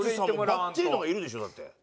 バッチリのがいるでしょ？だって。